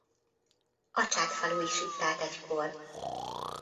Acsád falu is itt állt egykor.